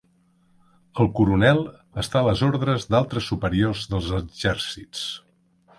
El coronel està a les ordres d'altres superiors dels exèrcits.